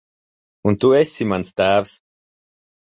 Un tu esi mans tēvs.